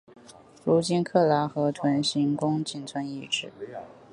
如今喀喇河屯行宫仅存遗址。